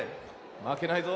まけないぞ。